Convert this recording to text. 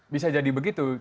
bisa jadi begitu